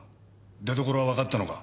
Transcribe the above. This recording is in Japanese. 出どころはわかったのか？